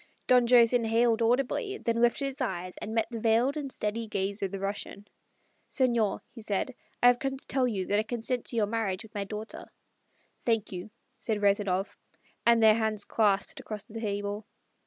Don Jose inhaled audibly, then lifted his eyes and met the veiled and steady gaze of the Russian. "Senor," he said, "I have come to tell you that I consent to your marriage with my daughter." "Thank you," said Rezanov. And their hands clasped across the table.